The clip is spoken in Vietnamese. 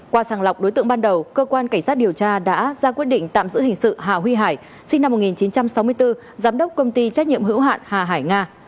qua sàng lọc đối tượng ban đầu cơ quan cảnh sát điều tra đã ra quyết định tạm giữ hình sự hà huy hải sinh năm một nghìn chín trăm sáu mươi bốn giám đốc công ty trách nhiệm hữu hạn hà hải nga